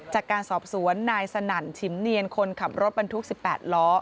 จากการสอบสวนนายสนั่นฉิมเนียนคนขับรถบรรทุก๑๘ล้อ